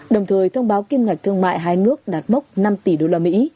đồng thời thông báo kiên ngạch thương mại hai nước đạt mốc năm tỷ usd